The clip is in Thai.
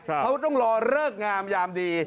เขาต้องรอเลิกงามยามดี